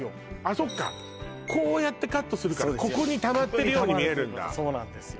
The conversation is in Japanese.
そっかこうやってカットするからここにたまってるように見えるんだそうなんですよ